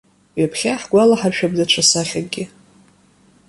Ҩаԥхьа иаҳгәалаҳаршәап даҽа сахьакгьы.